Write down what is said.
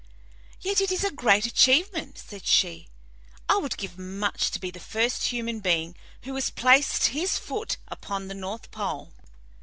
"Yet it is a great achievement," said she. "I would give much to be the first human being who has placed his foot upon the north pole."